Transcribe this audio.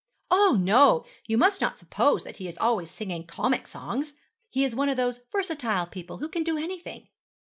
'Oh, no; you must not suppose that he is always singing comic songs. He is one of those versatile people who can do anything.'